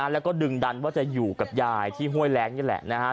แล้วก็ดึงดันว่าจะอยู่กับยายที่ห้วยแรงนี่แหละนะฮะ